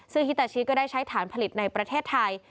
ซึ่งฮิตาชิก็ได้ใช้ฐานผลิตในประเทศไทย